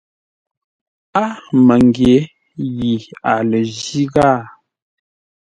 A məngyě yi a lə jí ghâa.